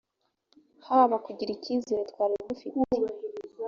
hb kugira icyizere twari dufite